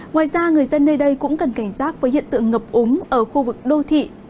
ngoài ra người dân nơi đây cũng cần cảnh giác với hiện tượng ngập úng ở khu vực đô thị